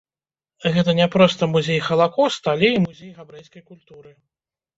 Гэта не проста музей халакоста, але і музей габрэйскай культуры.